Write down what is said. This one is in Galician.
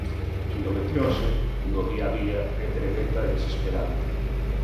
A endometriose, no día a día, é tremenda e desesperante.